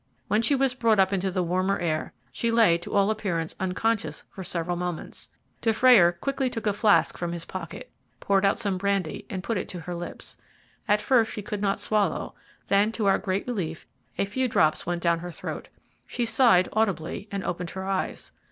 When she was brought up into the warmer air she lay to all appearance unconscious for several moments. Dufrayer quickly took a flask from his pocket, poured out some brandy, and put it to her lips. At first she could not swallow, then, to our great relief, a few drops went down her throat. She sighed audibly and opened her eyes.